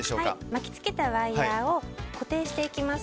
巻き付けたワイヤを固定していきます。